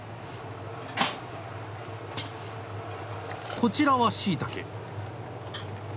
こちらはしいたけ。